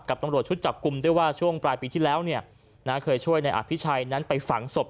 กับตรงรวชชุดจับกลุ่มด้วยว่าช่วงปลายปีที่แล้วนะเคยช่วยนายอภิชัยนั้นไปฝังสม